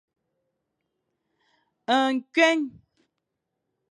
Nkueng.